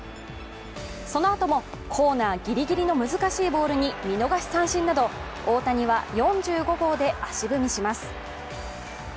そのあとも、コーナーギリギリの難しいボールに見逃し三振など大谷は４５号で足踏みします。